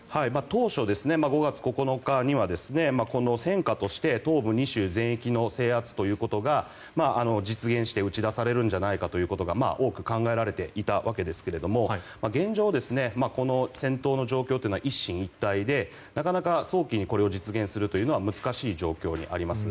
当初、５月９日には戦果として東部２州の全域制圧が実現して打ち出されるんじゃないかということが多く考えられていたわけですけど現状、この戦闘の状況というのは一進一退でなかなか早期にこれを実現するのは難しい状況にあります。